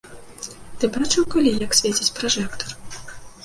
Ты бачыў калі, як свеціць пражэктар?